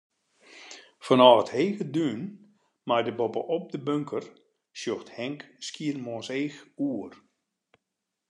Fanôf it hege dún mei dêr boppe-op de bunker, sjocht Henk Skiermûntseach oer.